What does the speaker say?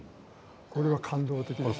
これは感動的でしたね。